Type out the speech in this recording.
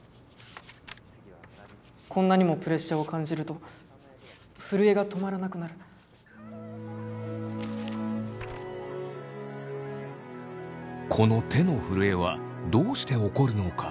こんなにもプレッシャーを感じると震えが止まらなくなるこの手の震えはどうして起こるのか？